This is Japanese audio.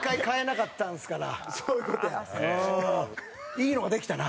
いいのができたな。